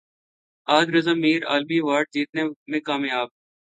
احد رضا میر عالمی ایوارڈ جیتنے میں کامیاب